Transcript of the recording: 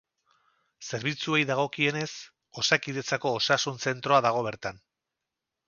Zerbitzuei dagokienez, Osakidetzako osasun zentroa dago bertan.